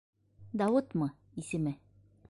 Дауытмы исеме?